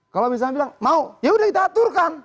kalau misalnya bilang mau ya udah kita aturkan